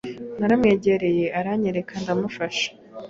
naramwegereye aranyerekera ndamufasha